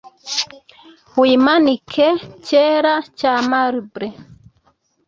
Wimanike cyera cya marble